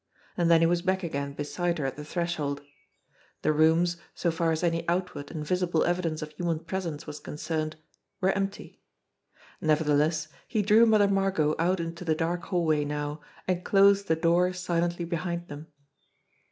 And then he was back again beside her at the threshold. The rooms, so far as any outward and visible evidence of human presence was concerned, were empty. Nevertheless, he drew Mother Margot out into the dark hallway now, and closed the door silently behind them.